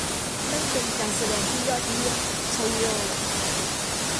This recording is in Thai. นั่นเป็นการแสดงที่ยอดเยี่ยม ! ไชโย !